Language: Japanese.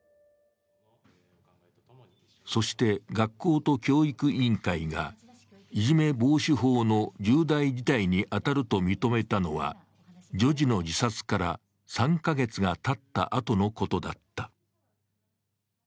そして、学校と教育委員会がいじめ防止法の重大事態に当たると認めたのは、女児の自殺から３カ月がたった後のことだった。